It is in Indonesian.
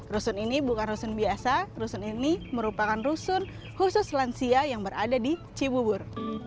rusun ini bukan rusun biasa rusun ini merupakan rusun khusus lansia yang berada di cibubur